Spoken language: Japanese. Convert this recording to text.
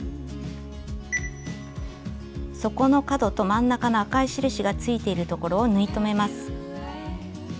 底の角と真ん中の赤い印がついているところを縫い留めます。